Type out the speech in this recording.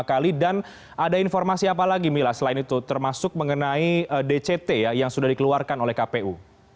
ada informasi apa lagi mila selain itu termasuk mengenai dct yang sudah dikeluarkan oleh kpu